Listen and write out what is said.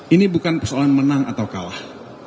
ini bukan persoalan menang atau kalah